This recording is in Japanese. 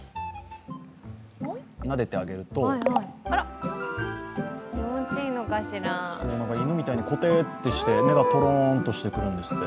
なでてあげると犬みたいにこてっとして、目がとろんとしてくるんですって。